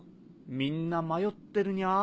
みんな迷ってるにゃ。